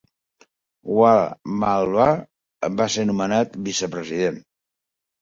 Wamalwa va ser nomenat vicepresident.